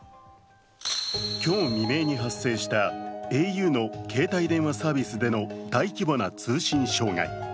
今日未明に発生したａｕの携帯電話サービスでの大規模な通信障害。